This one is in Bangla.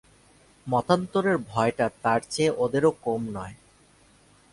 মতান্তরের ভয়টা তার চেয়ে ওঁদেরও কম নয়।